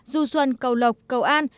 du xuân cầu lộc cầu an